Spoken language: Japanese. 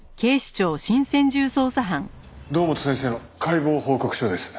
堂本先生の解剖報告書です。